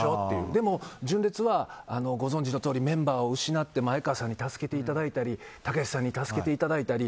でも、純烈はご存じのとおりメンバーを失って前川さんに助けていただいたりたけしさんに助けていただいたり。